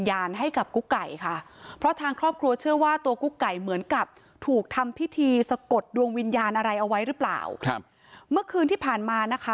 อะไรเอาไว้หรือเปล่าครับเมื่อคืนที่ผ่านมานะคะ